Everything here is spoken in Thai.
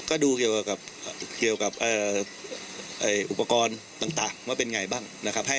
ก็ดูเกี่ยวกับอุปกรณ์ต่างว่าเป็นอย่างไรบ้าง